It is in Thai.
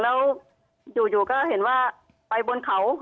แล้วอยู่ก็เห็นว่าไปบนเขา